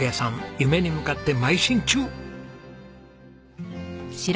夢に向かって邁進中！